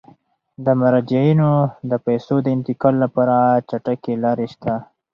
د مراجعینو د پيسو د انتقال لپاره چټکې لارې شته.